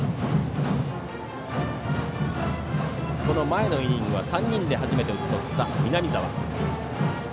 前のイニングは３人で初めて打ち取った南澤。